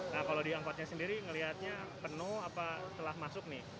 nah kalau di angkotnya sendiri ngelihatnya penuh apa telah masuk nih